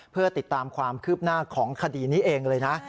เพื่อติดตามความคืบหน้าของคดีนี้เองเลยนะ